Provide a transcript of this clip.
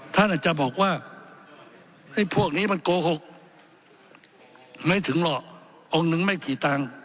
ท่านอาจจะบอกว่าไอ้พวกนี้มันโกหกไม่ถึงหรอกองค์นึงไม่กี่ตังค์